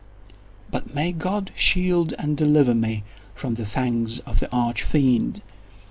But may God shield and deliver me from the fangs of the Arch Fiend!